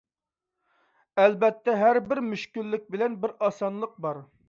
ئەلۋەتتە، ھەربىر مۈشكۈللۈك بىلەن بىر ئاسانلىق بار.